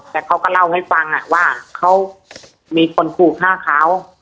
แต่เขาก็เล่าให้ฟังว่าเขามีคนขู่ฆ่าเขา